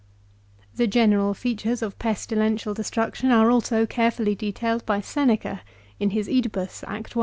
The general features of pestilential destruction are also carefully detailed by Seneca in his (Edipus, Act i.